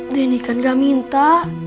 dini kan gak minta